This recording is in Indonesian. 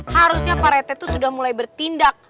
harusnya pak rete tuh sudah mulai bertindak